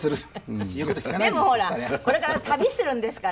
でもほらこれから旅するんですからさ